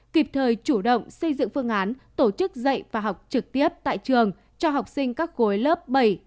kịp thời chủ động xây dựng phương án tổ chức dạy và học trực tiếp tại trường cho học sinh các khối lớp bảy tám chín một mươi một mươi một một mươi hai